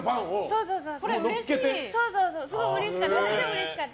そうそう、すごいうれしかった。